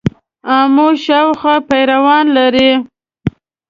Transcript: آمو شاوخوا پیروان لري.